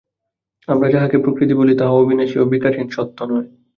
আমরা যাহাকে প্রকৃতি বলি, তাহা অবিনাশী ও বিকারহীন সত্ত্ব নয়।